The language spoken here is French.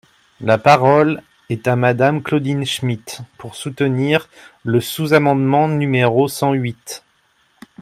La parole est à Madame Claudine Schmid, pour soutenir le sous-amendement numéro cent huit.